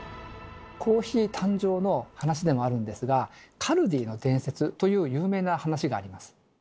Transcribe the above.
コーヒー誕生の話でもあるんですが「カルディの伝説」という有名な話があります。